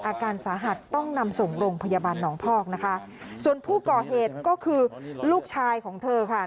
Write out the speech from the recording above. อาการสาหัสต้องนำส่งโรงพยาบาลหนองพอกนะคะส่วนผู้ก่อเหตุก็คือลูกชายของเธอค่ะ